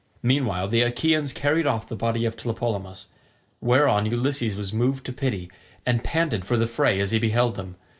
Meanwhile the Achaeans carried off the body of Tlepolemus, whereon Ulysses was moved to pity, and panted for the fray as he beheld them.